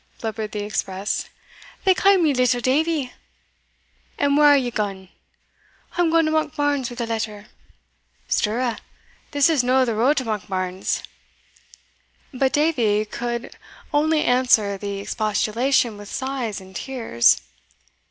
blubbered the express; "they ca' me little Davie." "And where are ye gaun?" "I'm gaun to Monkbarns wi' a letter." "Stirra, this is no the road to Monkbarns." But Davie could oinly answer the expostulation with sighs and tears.